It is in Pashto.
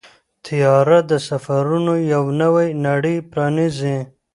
طیاره د سفرونو یو نوې نړۍ پرانیزي.